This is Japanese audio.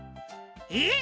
「えっ？